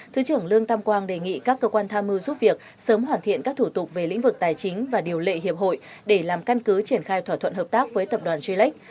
thứ trưởng lương tam quang đề nghị các cơ quan tham mưu giúp việc sớm hoàn thiện các thủ tục về lĩnh vực tài chính và điều lệ hiệp hội để làm căn cứ triển khai thỏa thuận hợp tác với tập đoàn g lex